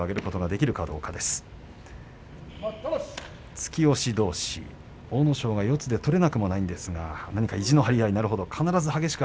突き押しどうし、阿武咲は四つで取れなくもないんですが何か意地の張り合いになるか。